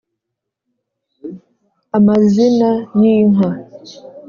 amazina y’inka